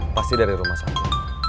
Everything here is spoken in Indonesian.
pasti dari rumah satu